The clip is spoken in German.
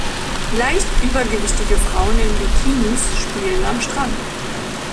Leicht übergewichtige Frauen in Bikinis spielen am Strand.